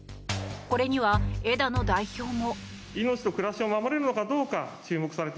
これには枝野代表も。